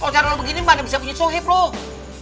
kalau caranya begini mana bisa punya suhib loh